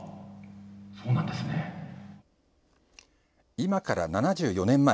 今から７４年前。